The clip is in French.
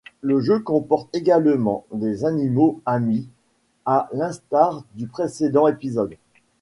Le jeu comporte également des animaux amis, à l'instar du précédent épisode.